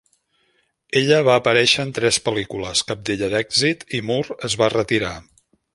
Ella va aparèixer en tres pel·lícules, cap d'ella d'èxit, i Moore es va retirar.